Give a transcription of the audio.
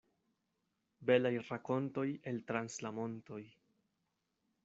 Belaj rakontoj el trans la montoj.